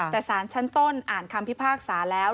แต่สารชั้นต้นอ่านคำพิพากษาแล้ว